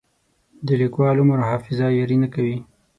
د لیکوال عمر او حافظه یاري نه کوي.